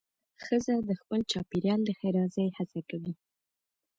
ښځه د خپل چاپېریال د ښېرازۍ هڅه کوي.